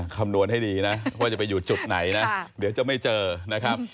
คำนวณให้ดีนะว่าจะไปอยู่จุดไหนนะเดี๋ยวจะไม่เจอนะครับ